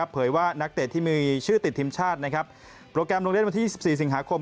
เผยว่านักเตะที่มีชื่อติดทีมชาตินะครับโปรแกรมลงเล่นวันที่๒๔สิงหาคม